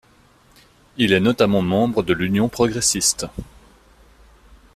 Il est notamment membre de l'Union progressiste.